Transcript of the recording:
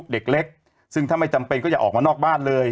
เด็กเล็กซึ่งถ้าไม่จำเป็นก็อย่าออกมานอกบ้านเลย